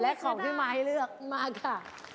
และของที่มาให้เลือกมากค่ะ